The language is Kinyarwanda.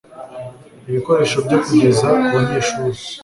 ibikoresho byo kugeza ku banyeshuri